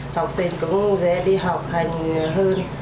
học sinh cũng dễ đi học hành hơn